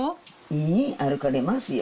いいえ歩かれますよ